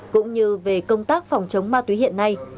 cũng như về công tác phòng chống ma túy hiện nay